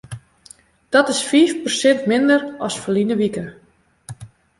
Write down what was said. Dat is fiif persint minder as ferline wike.